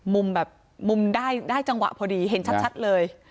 แบบมุมได้จังหวะพอดีเห็นชัดเลย